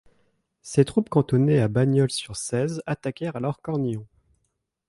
Ses troupes cantonnées à Bagnols-sur-Cèze attaquèrent alors Cornillon.